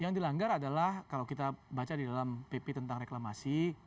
yang dilanggar adalah kalau kita baca di dalam pp tentang reklamasi